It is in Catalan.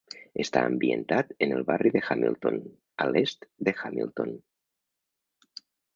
Està ambientat en el barri de Hamilton, a l'est de Hamilton.